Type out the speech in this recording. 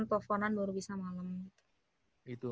teleponan baru bisa malam gitu